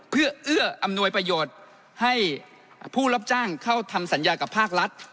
เพื่อเอื้ออำนวยประโยชน์ให้ผู้รับจ้างเข้าทำสัญญากับภาครัฐ